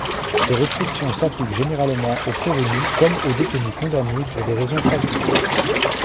Ces restrictions s'appliquent généralement aux prévenus comme aux détenus condamnés pour des raisons pratiques.